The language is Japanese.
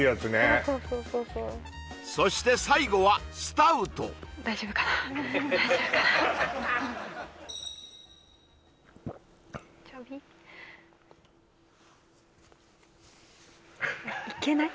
そうそうそうそうそうそして最後はスタウト大丈夫かな大丈夫かないけない？